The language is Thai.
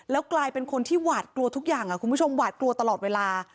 แล้วกลายเป็นคนที่หวาดกลัวทุกอย่างคุณผู้ชมหวาดกลัวตลอดเวลา